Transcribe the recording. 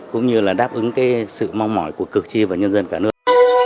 cũng như là đáp ứng cái sự mong mỏi của cử tri và nhân dân cả nước